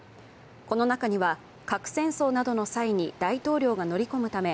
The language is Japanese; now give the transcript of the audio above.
この中には核戦争などの際に大統領が乗り込むため